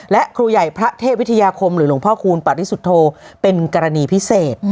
และครูใหญ่พระเทพวิทยาคมหรือหลวงพ่อคูณปริสุทธโธเป็นกรณีพิเศษ